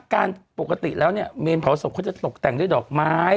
การปกติแล้วเนี่ยเมนเผาศพเขาจะตกแต่งด้วยดอกไม้